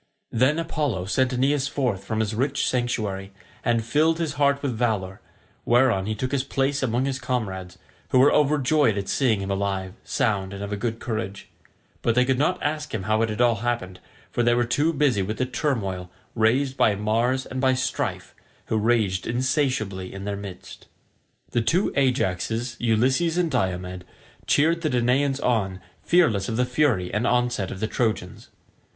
Then Apollo sent Aeneas forth from his rich sanctuary, and filled his heart with valour, whereon he took his place among his comrades, who were overjoyed at seeing him alive, sound, and of a good courage; but they could not ask him how it had all happened, for they were too busy with the turmoil raised by Mars and by Strife, who raged insatiably in their midst. The two Ajaxes, Ulysses and Diomed, cheered the Danaans on, fearless of the fury and onset of the Trojans.